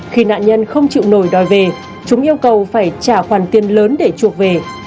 khi nạn nhân không chịu nổi đòi về chúng yêu cầu phải trả khoản tiền lớn để chuộc về